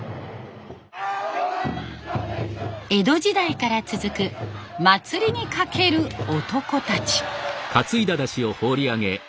江戸時代から続く祭りにかける男たち。